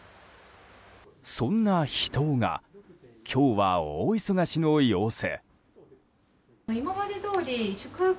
そんな秘湯が今日は大忙しの様子。